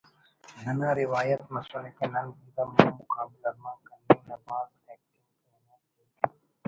ننا روایت مسنے کہ نن بیرہ مون مقابل ارمان کننگ نا بھاز ایکٹنگ کینہ کہ